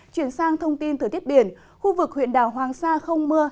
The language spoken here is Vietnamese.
chuyển sang thông tin thời tiết biển khu vực huyện đảo hoàng sa không mưa